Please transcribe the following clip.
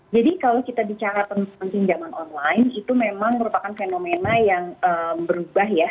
jadi kalau kita bicara tentang pinjaman online itu memang merupakan fenomena yang berubah ya